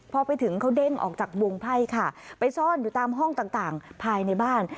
พอไปถึงเขาเด้งออกจากวงไพ่ค่ะไปซ่อนอยู่ตามห้องต่างภายในบ้าน